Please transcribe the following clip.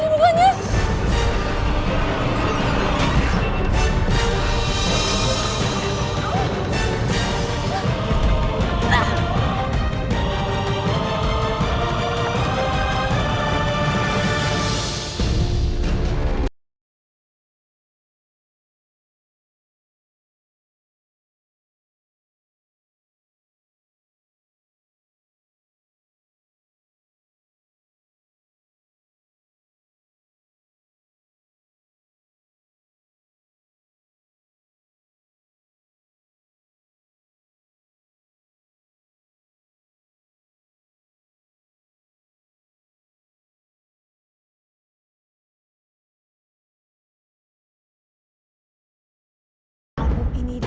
kamu pun energized